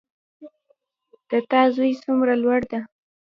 د تا زوی څومره لوړ ده